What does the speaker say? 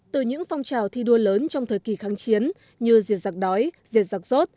từ những phong trào thi đua lớn trong thời kỳ kháng chiến như diệt giặc đói diệt giặc rốt